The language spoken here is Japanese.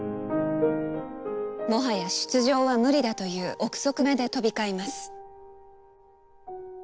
もはや出場は無理だという臆測まで飛び交います。